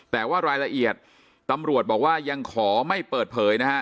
แต่ว่ารายละเอียดตำรวจบอกว่ายังขอไม่เปิดเผยนะฮะ